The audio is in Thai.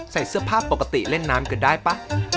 ใส่เสื้อผ้าปกติเล่นน้ำกันได้ป่ะ